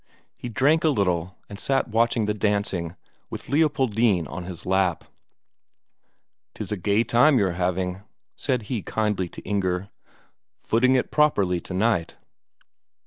He drank a little, and sat watching the dancing, with Leopoldine on his lap. "'Tis a gay time you're having," said he kindly to Inger "footing it properly tonight!"